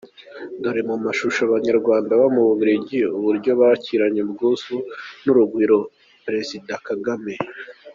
Dore mu mashusho Uburyo Abanyarwanda baba mu Bubiligi bakiranye ubwuzu n’urugwiro Perezida Kagame.